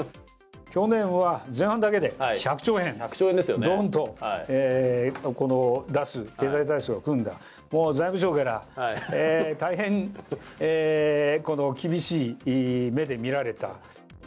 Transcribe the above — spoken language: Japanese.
去年は前半だけで１００兆円、どんと出す経済対策を組んだ、もう財務省から大変厳しい目で見られた。